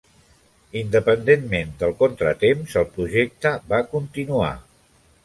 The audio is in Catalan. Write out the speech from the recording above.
Independentment del contratemps, el projecte va continuar.